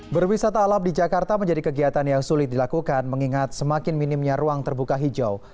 berwisata alam di jakarta menjadi kegiatan yang sulit dilakukan mengingat semakin minimnya ruang terbuka hijau